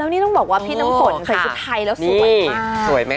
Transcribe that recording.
นี่ต้องบอกว่าพี่น้ำฝนใส่ชุดไทยแล้วสวยมากสวยไหมค